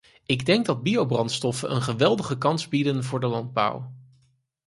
Ik denk dat biobrandstoffen een geweldige kans bieden voor de landbouw.